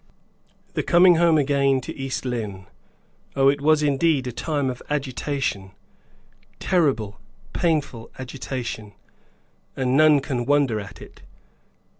The coming home again to East Lynne! Oh, it was indeed a time of agitation, terrible, painful agitation, and none can wonder at it.